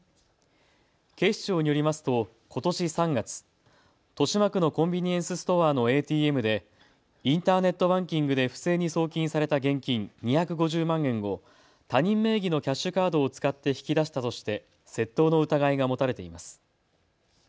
警視庁によりますとことし３月、豊島区のコンビニエンスストアのＡＴＭでインターネットバンキングで不正に送金された現金２５０万円を他人名義のキャッシュカードを使って引き出したとして窃盗の疑いが持たれています。